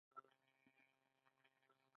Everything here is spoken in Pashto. وطني محصولاتو ته لومړیتوب ورکول کیږي